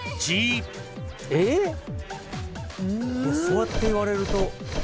そうやって言われると。